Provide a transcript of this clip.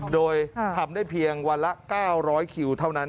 โดยทำได้เพียงวันละ๙๐๐คิวเท่านั้น